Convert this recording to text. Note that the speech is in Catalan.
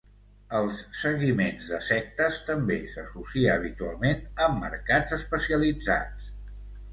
Els seguiments de sectes també s'associa habitualment amb mercats especialitzats.